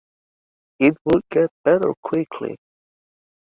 It will get better quickly.